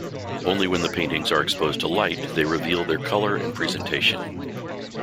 Only when the paintings are exposed to light they reveal their colour and presentation.